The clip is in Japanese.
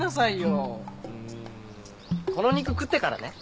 うんこの肉食ってからね。